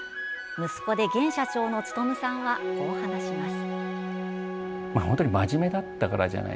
息子で現社長の努さんはこう話します。